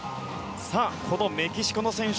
このメキシコの選手